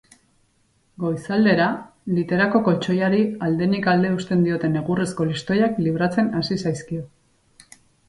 Goizaldera literako koltxoiari aldenik alde eusten dioten egurrezko listoiak libratzen hasi zaizkio.